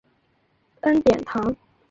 恩典堂。